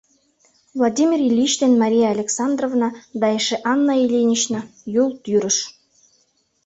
Владимир Ильич ден Мария Александровна да эше Анна Ильинична — Юл тӱрыш.